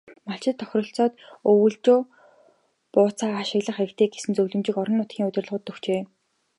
Малчид тохиролцоод өвөлжөө бууцаа ашиглах хэрэгтэй гэсэн зөвлөмжийг орон нутгийн удирдлагуудад өгчээ.